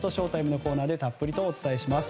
ＳＨＯ‐ＴＩＭＥのコーナーでたっぷりとお伝えします。